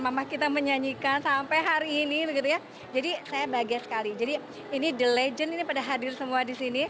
mama kita menyanyikan sampai hari ini begitu ya jadi saya bahagia sekali jadi ini the legend ini pada hadir semua di sini